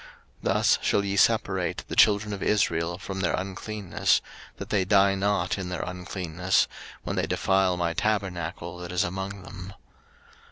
03:015:031 Thus shall ye separate the children of Israel from their uncleanness; that they die not in their uncleanness, when they defile my tabernacle that is among them.